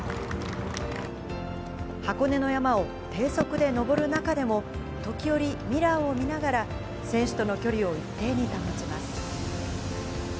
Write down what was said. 箱根の山を低速で登る中でも、時折、ミラーを見ながら、選手との距離を一定に保ちます。